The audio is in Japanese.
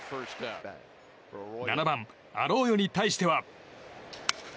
７番、アローヨに対しては。